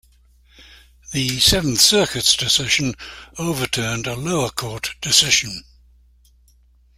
The Seventh Circuit's decision overturned a lower court decision.